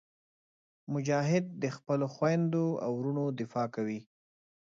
مجاهد د خپلو خویندو او وروڼو دفاع کوي.